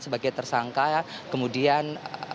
sebagai tersangka kemudian